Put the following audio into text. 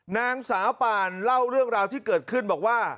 นางสาวป่านเล่าเรื่องราวที่เกิดขึ้นบอกว่า